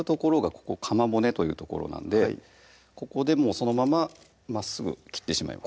ここかま骨という所なんでここでそのまままっすぐ切ってしまいます